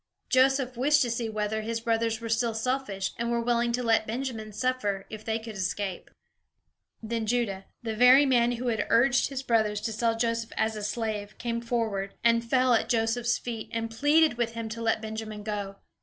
Joseph wished to see whether his brothers were still selfish, and were willing to let Benjamin suffer, if they could escape. Then Judah, the very man who had urged his brothers to sell Joseph as a slave, came forward, and fell at Joseph's feet, and pleaded with him to let Benjamin go.